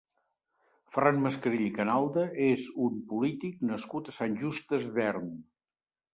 Ferran Mascarell i Canalda és un polític nascut a Sant Just Desvern.